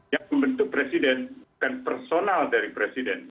yang membentuk presiden bukan personal dari presiden